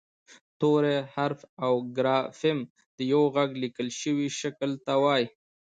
توری حرف او ګرافیم د یوه غږ لیکل شوي شکل ته وايي